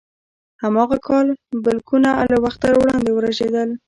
هماغه کال بلګونه له وخته وړاندې ورژېدل.